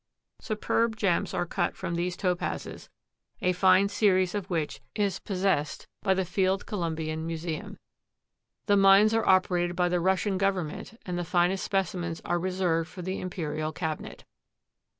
Superb gems are cut from these Topazes, a fine series of which is possessed by the Field Columbian Museum. The mines are operated by the Russian Government and the finest specimens are reserved for the Imperial Cabinet.